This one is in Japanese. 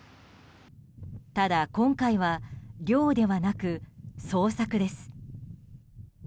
ただ今回は漁ではなく捜索です。